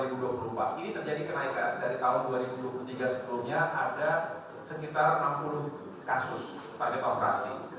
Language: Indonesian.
ini terjadi kenaikan dari tahun dua ribu dua puluh tiga sebelumnya ada sekitar enam puluh kasus pada operasi